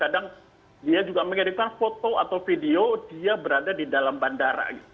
kadang dia juga mengirimkan foto atau video dia berada di dalam bandara